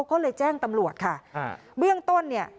ก็เลยแจ้งตำรวจค่ะอ่าเบื้องต้นเนี่ย